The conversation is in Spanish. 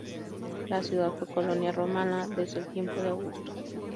La ciudad fue colonia romana desde el tiempo de Augusto.